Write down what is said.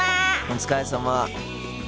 お疲れさま。